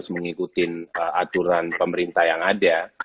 mengikuti aturan pemerintah yang ada